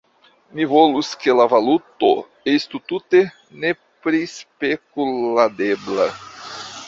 Mi volus ke la valuto estu tute neprispekuladebla.